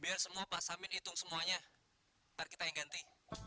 biar semua pasamin itu semuanya kita ganti